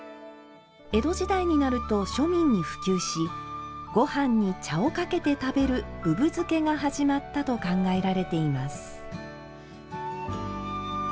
江戸時代になると庶民に普及しご飯に茶をかけて食べるぶぶ漬けが始まったと考えられています。